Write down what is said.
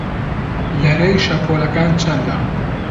لەرەی شەپۆڵەکان چەندە؟